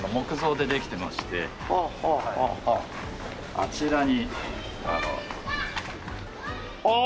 あちらが。